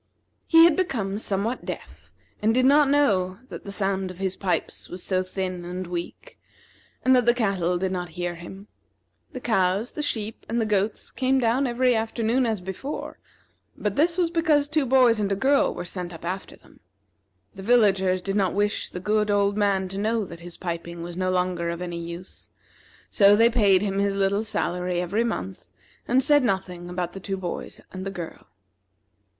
He had become somewhat deaf, and did not know that the sound of his pipes was so thin and weak, and that the cattle did not hear him. The cows, the sheep, and the goats came down every afternoon as before, but this was because two boys and a girl were sent up after them. The villagers did not wish the good old man to know that his piping was no longer of any use, so they paid him his little salary every month, and said nothing about the two boys and the girl.